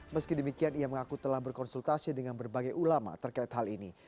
meski demikian ia mengaku telah berkonsultasi dengan berbagai ulama terkait hal ini